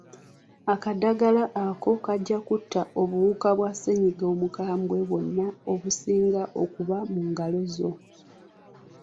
Akadagala ako kajja kutta obuwuka bwa ssennyiga omukabwe bwonna obuyinza okuba mu ngalo zo.